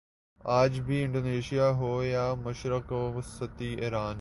آج بھی انڈونیشیا ہو یا مشرق وسطی ایران